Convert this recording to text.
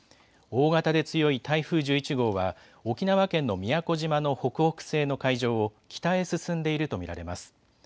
大型で強い台風１１号は沖縄県の宮古島の北北西の海上を北へ進んでいると見られます。